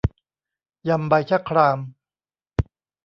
ยำใบชะคราม